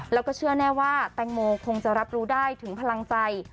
แล้วก็เชื่อแน่ว่าแตงโมคงจะรับรู้ได้ถึงพลังใจ